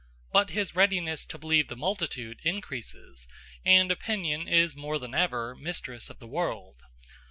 But his readiness to believe the multitude increases, and opinion is more than ever mistress of the world.